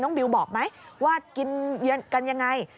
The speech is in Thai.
น้องบิวบอกไหมว่ากินกันอย่างไร